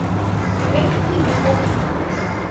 Fekɨño jofo.